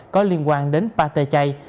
có liên quan đến pate chay